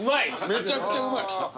めちゃくちゃうまい。